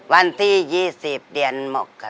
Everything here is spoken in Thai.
วันที่๒๐เดือนนั้น